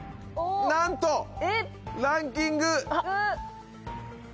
なんとランキング５。